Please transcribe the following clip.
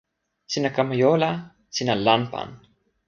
sina kama jo la sina lanpan.